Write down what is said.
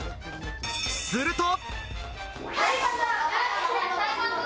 すると。